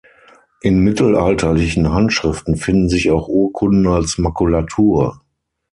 In mittelalterlichen Handschriften finden sich auch Urkunden als Makulatur.